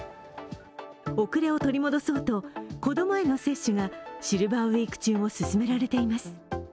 遅れを取り戻そうと子供への接種がシルバーウィーク中も進められています。